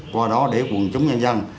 qua đó để quân chúng nhân dân